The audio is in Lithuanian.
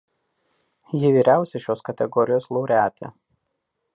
Ji vyriausia šios kategorijos laureatė.